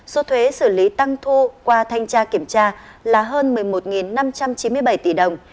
số thuế xử lý tăng thu qua thanh tra kiểm tra là hơn một mươi một năm trăm chín mươi bảy tỷ đồng